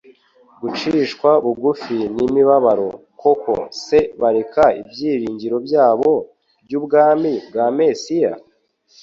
gucishwa bugufi n'imibabaro. Koko se bareka ibyiringiro byabo by'ubwami bwa Mesiya ?